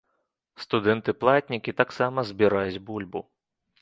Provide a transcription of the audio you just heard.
Студэнты-платнікі таксама збіраюць бульбу!